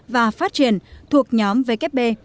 và phát triển thuộc nhóm vkb